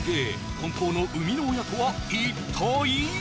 本当の生みの親とは一体？